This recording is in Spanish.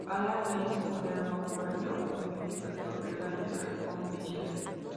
Galán, Líster y Modesto jugarían un importante papel durante la contienda.